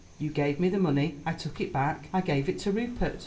You gave me the money. I took it back. I gave it to Rupert."